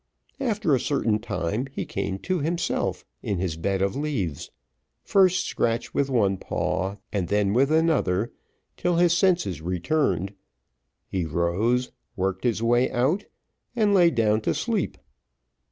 After a certain time he came to himself in his bed of leaves, first scratched with one paw, and then with another, till his senses returned: he rose, worked his way out, and lay down to sleep.